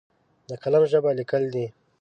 د قلم ژبه لیکل دي!